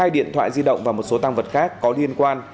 hai điện thoại di động và một số tăng vật khác có liên quan